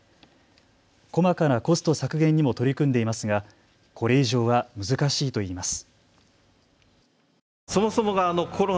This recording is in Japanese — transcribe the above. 細かなコスト削減にも取り組んでいますがこれ以上は難しいといいます。